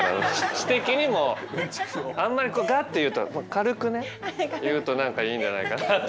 知的にもあんまりガッて言うと軽くね言うといいんじゃないかなと。